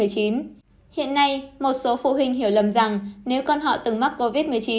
hiện nay một số phụ huynh hiểu lầm rằng nếu con họ từng mắc covid một mươi chín